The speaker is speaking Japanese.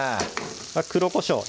黒こしょう